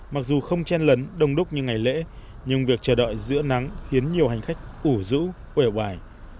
mặc dù không chen lấn đông đúc như ngày lễ nhưng việc chờ đợi giữa nắng khiến nhiều hành khách ủ rũ quẻo hoài